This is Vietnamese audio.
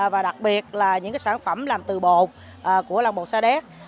và đặc biệt là những sản phẩm làm từ bột của lon bột sa đéc